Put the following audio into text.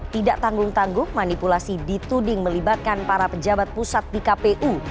tidak tanggung tanggung manipulasi dituding melibatkan para pejabat pusat di kpu